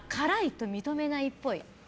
と認めないっぽい。